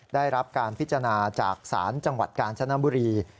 ได้รับการพิจารณาจากศาลจังหวัดกาญจนบุรี